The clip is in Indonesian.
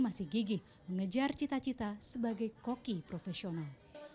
masih gigih mengejar cita cita sebagai koki profesional